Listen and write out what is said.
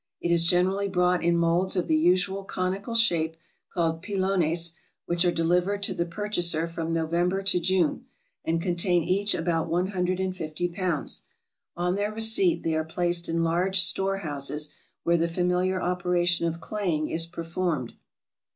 It is generally brought in molds of the usual conical shape, called pilones, which are delivered to the purchaser from November to June, and contain each about one hundred and fifty pounds. On their receipt they are placed in large store houses, where the familiar operation of claying is performed.